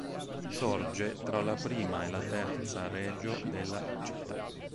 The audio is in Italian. Sorge tra la prima e la terza "regio" della città.